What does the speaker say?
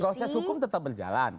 proses hukum tetap berjalan